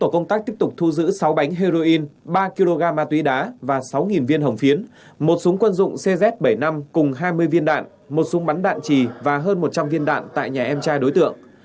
công tác tiếp tục thu giữ sáu bánh heroin ba kg ma túy đá và sáu viên hồng phiến một súng quân dụng cz bảy mươi năm cùng hai mươi viên đạn một súng bắn đạn trì và hơn một trăm linh viên đạn tại nhà em trai đối tượng